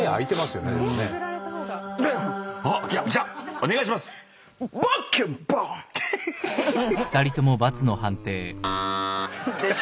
お願いします先生。